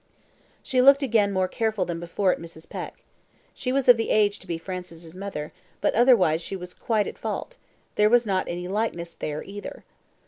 She looked again more careful than before at Mrs. Peck. She was of the age to be Francis's mother, but otherwise she was quite at fault; there was not any likeness there either.